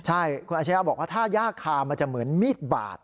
ใช่คุณอาชญาบอกว่าถ้ายากคามันจะเหมือนมีดบาด